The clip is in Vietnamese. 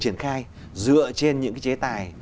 triển khai dựa trên những cái chế tài